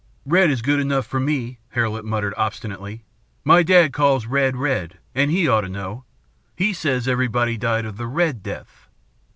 "Red is good enough for me," Hare Lip muttered obstinately. "My dad calls red red, and he ought to know. He says everybody died of the Red Death."